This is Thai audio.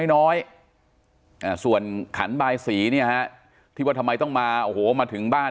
น้อยส่วนขันบายสีเนี่ยฮะที่ว่าทำไมต้องมาโอ้โหมาถึงบ้าน